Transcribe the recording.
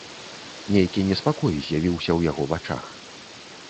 Нейкі неспакой з'явіўся ў яго вачах.